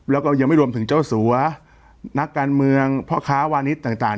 แล้วก็ยังไม่รวมถึงเจ้าสัวนักการเมืองพ่อค้าวานิสต่าง